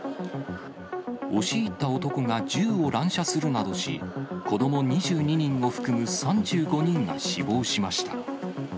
押し入った男が銃を乱射するなどし、子ども２２人を含む３５人が死亡しました。